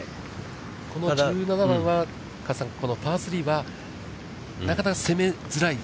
この１７番は、加瀬さん、このパー３は、なかなか攻めづらい。